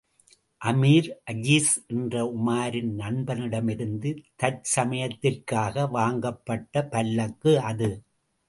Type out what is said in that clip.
அமீர் அஜீஸ் என்ற உமாரின் நண்பனிடமிருந்து, தற்சமயத்திற்காக வாங்கப்பட்ட பல்லக்கு அது.